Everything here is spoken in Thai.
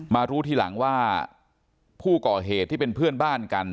มารู้ทีหลังว่าผู้ก่อเหตุที่เป็นเพื่อนบ้านกัน